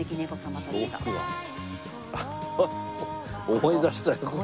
思い出したよこれ。